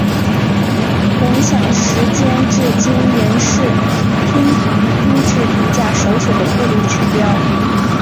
混响时间至今仍是厅堂音质评价首选的物理指标。